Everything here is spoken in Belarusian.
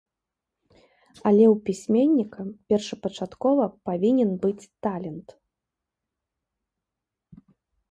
Але ў пісьменніка першапачаткова павінен быць талент.